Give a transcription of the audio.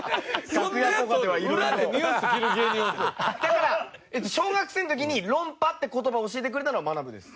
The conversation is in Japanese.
だから小学生の時に論破って言葉を教えてくれたのはまなぶです。